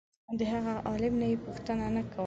د هغه عالم نه یې پوښتنه نه کوله.